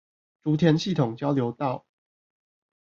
竹田系統交流道